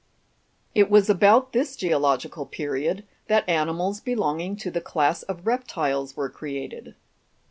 25. It was about this geological period that animals belonging to the class of reptiles were created.